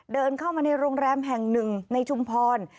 เดินเข้ามาในโรงแรมแห่งหนึ่งในชุมพร